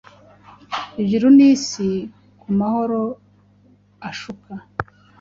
Ijuru n’isi kumahoro ashuka.